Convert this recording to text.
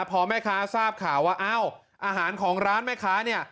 พอแม่ค้าทราบข่าวว่าอ้าวอาหารของร้านแม่ค้าเนี่ย